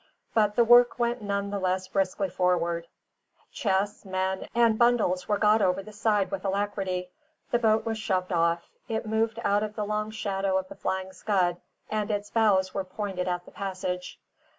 But the work went none the less briskly forward; chests, men, and bundles were got over the side with alacrity; the boat was shoved off; it moved out of the long shadow of the Flying Scud, and its bows were pointed at the passage.